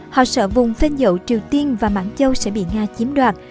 họ sợ vùng phên dậu triều tiên và mãng châu sẽ bị nga chiếm đoạt